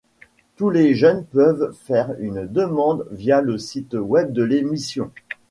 Tous les jeunes peuvent faire une demande via le site Web de l’émission.